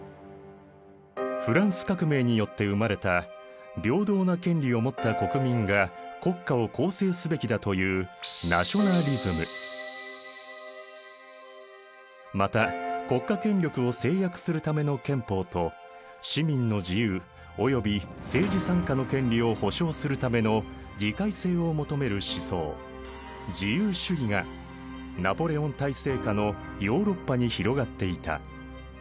フランス革命によって生まれた平等な権利を持った国民が国家を構成すべきだというまた国家権力を制約するための憲法と市民の自由および政治参加の権利を保障するための議会制を求める思想自由主義がナポレオン体制下のヨーロッパに広がっていた。